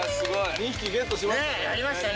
２匹ゲットしましたね。